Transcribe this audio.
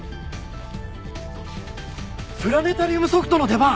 プラネタリウムソフトの出番！